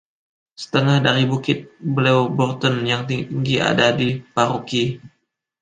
Setengah dari Bukit Blewburton yang tinggi ada di paroki.